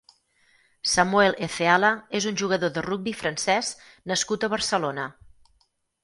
Samuel Ezeala és un jugador de rugbi francès nascut a Barcelona.